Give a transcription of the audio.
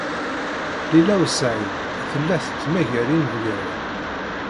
Lila u Saɛid tella tettmagar inebgawen.